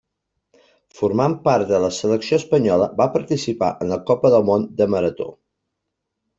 Formant part de la selecció espanyola va participar en la Copa del Món de marató.